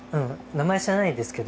名前知らないんですけど。